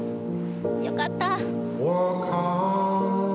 良かった。